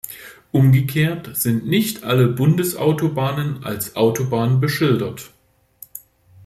Umgekehrt sind nicht alle Bundesautobahnen als Autobahn beschildert.